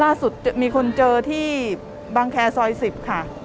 ล่าสุดมีคนเจอที่บางแคร์ซอย๑๐ค่ะ